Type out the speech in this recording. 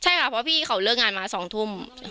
ใช่ค่ะเพราะพี่เขาเลิกงานมา๒ทุ่ม